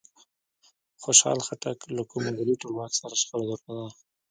خوشحال خټک له کوم مغولي ټولواک سره شخړه درلوده؟